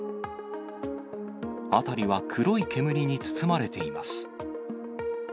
辺りは黒い煙に包まれています。